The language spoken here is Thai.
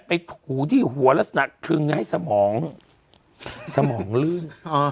ไปหูที่หัวละหนักครึ่งให้สมองสมองลื่นอ๋อ